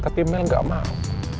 tapi mel gak mau